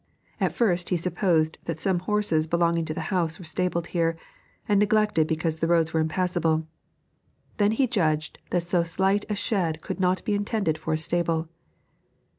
At first he supposed that some horses belonging to the house were stabled here, and neglected because the roads were impassable; then he judged that so slight a shed could not be intended for a stable.